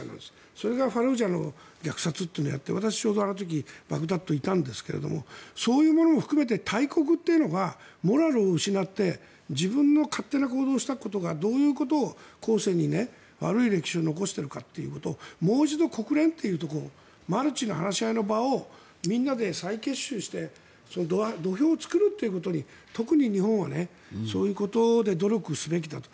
それがファルージャの虐殺というのをやって私、あの時バグダッドにいたんですがそういうものも含めて大国というのがモラルを失って自分の勝手な行動をしたことがどういうことを後世に悪い歴史を残しているかということをもう一度国連ということをマルチな話し合いの場をみんなで再結集してその土俵を作るということに特に日本はそういうことで努力すべきだと。